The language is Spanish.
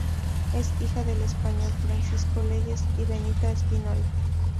Es hija del español Francisco Leyes y Benita Espínola.